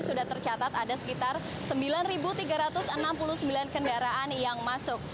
sudah tercatat ada sekitar sembilan tiga ratus enam puluh sembilan kendaraan yang masuk